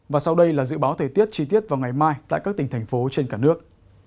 và sau đây là dự báo thời tiết chi tiết vào ngày mai tại các tỉnh thành phố trên cả nước